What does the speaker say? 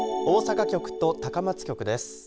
大阪局と高松局です。